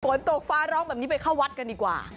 ฝนตกฟ้าร้องแบบนี้ไปเข้าวัดกันดีกว่า